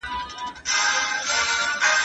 دا اوبه له هغه روښانه دي!؟